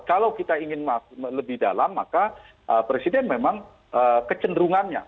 kalau kita ingin lebih dalam maka presiden memang kecenderungannya